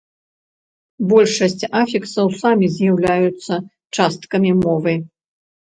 Большасць афіксаў самі з'яўляюцца часткамі мовы.